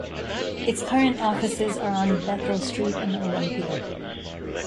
Its current offices are on Bethel Street in Olympia.